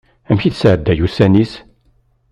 Amek i tesɛedday ussan-is?